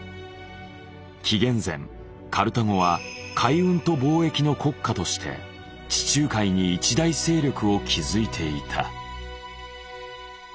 紀元前カルタゴは海運と貿易の国家として地中海に一大勢力を築いていた。